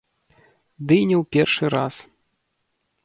Ды і не ў першы раз.